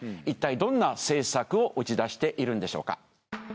いったいどんな政策を打ち出しているんでしょうか？